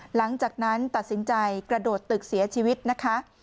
หลังจากนั้นตัดสินใจกระโดดตึกเสียชีวิตนะคะ